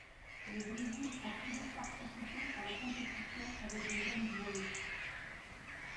Le Brésil a toujours participé à la compétition avec de jeunes joueuses.